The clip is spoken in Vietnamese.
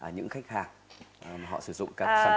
những khách hàng họ sử dụng các sản phẩm